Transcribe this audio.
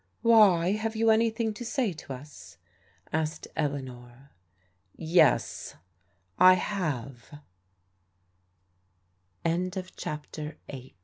" Why, have you anything to say to us ?" asked Elea nor. Yes, I have," a CHAPTER IX I'M